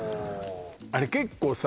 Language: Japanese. あれ結構さ